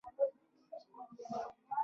څنګه کېسه شوه؟